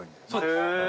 へえ。